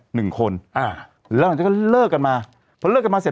หนึ่งคนอ่าแล้วหลังจากนั้นก็เลิกกันมาพอเลิกกันมาเสร็จ